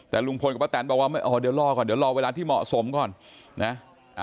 แต่ลุงพลกับปะแตนบอกว่าเดี๋ยวรอเวลาที่เหมาะสมก่อนนะฮะ